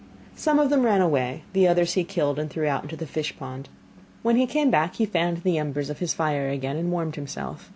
Some of them ran away, the others he killed, and threw out into the fish pond. When he came back he fanned the embers of his fire again and warmed himself.